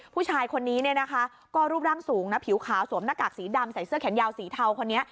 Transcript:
ผู้ชายคนนี้เนี่ยนะคะก็รูปร่างสูงนะผิวขาวสวมหน้ากากสีดำใส่เสื้อแขนยาวสีเทาคนนี้